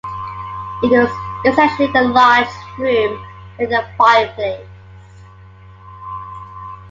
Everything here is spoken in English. It was essentially a large room with a fireplace.